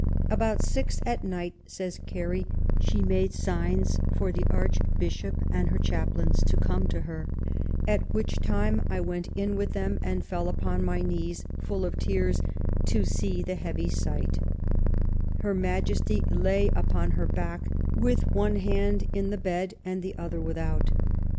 "About six at night," says Carey, "she made signs for the Archbishop and her chaplains to come to her, at which time I went in with them and fell upon my knees, full of tears to see the heavy sight Her Majesty lay upon her back, with one hand in the bed, and the other without.